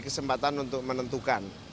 kesempatan untuk menentukan